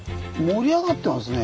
盛り上がってますね。